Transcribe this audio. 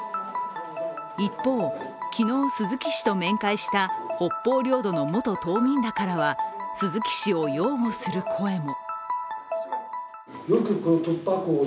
一方、昨日鈴木氏と面会した北方領土の元島民らからは鈴木氏を擁護する声も。